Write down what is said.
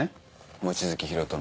望月博人の。